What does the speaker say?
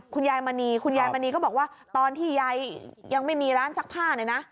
คุณยายมณีคุณยายมณีก็บอกว่าตอนที่ยายยังไม่มีร้านซักผ้าเนี่ยนะ